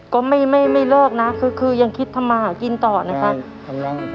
ก็ไม่ไม่เลิกนะคือคือยังคิดทำมาหากินต่อนะครับ